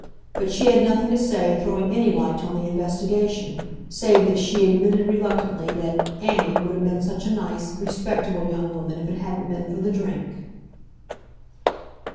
But she had nothing to say throwing any light on the investigation, save that she admitted reluctantly that "Anny" would have been such a nice, respectable young woman if it hadn't been for the drink.